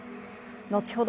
後ほど